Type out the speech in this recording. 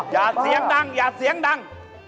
อย่าเสียงดังอย่าเสียงดัง